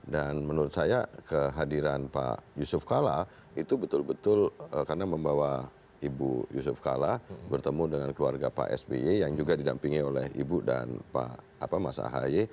dan menurut saya kehadiran pak yusuf kalla itu betul betul karena membawa ibu yusuf kalla bertemu dengan keluarga pak sby yang juga didampingi oleh ibu dan pak mas ahy